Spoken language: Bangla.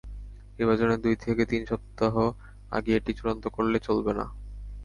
নির্বাচনের দুই থেকে তিন সপ্তাহ আগে এটি চূড়ান্ত করলে চলবে না।